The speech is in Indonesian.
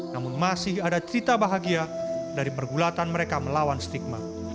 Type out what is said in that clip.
namun masih ada cerita bahagia dari pergulatan mereka melawan stigma